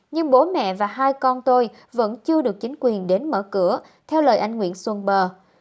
nhưng bố mẹ và hai con tôi vẫn chưa được chính quyền đến mở cửa theo lời anh nguyễn xuân bờ